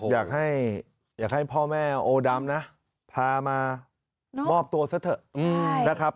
อยากให้พ่อแม่โอดำนะพามามอบตัวซะเถอะนะครับ